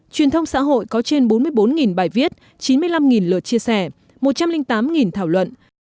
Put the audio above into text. truyền thông xã hội có trên bốn mươi bốn bài viết chín mươi năm lượt chia sẻ một trăm linh tám thảo luận